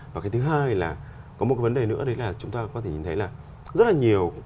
và cái thứ hai là có một vấn đề nữa đấy là chúng ta có thể nhìn thấy là rất là nhiều